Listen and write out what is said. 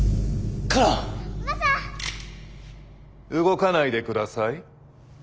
動かないで下さい。